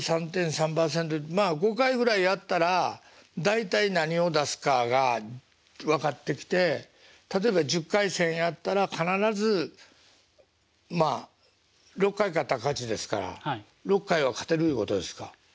まあ５回ぐらいやったら大体何を出すかが分かってきて例えば１０回戦やったら必ずまあ６回勝ったら勝ちですから６回は勝てるいうことですか。